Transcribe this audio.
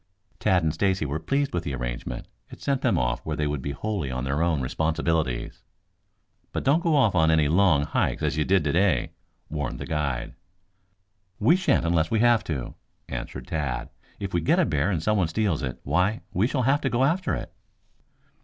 Tad and Stacy were pleased with the arrangement. It sent them off where they would be wholly on their own responsibilities. "But don't go off on any long hikes as you did today," warned the guide. "We shan't unless we have to," answered Tad. "If we get a bear and someone steals it, why, we shall have to go after it."